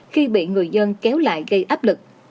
khi bị người dân kéo lại gây áp lực